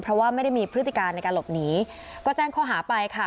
เพราะว่าไม่ได้มีพฤติการในการหลบหนีก็แจ้งข้อหาไปค่ะ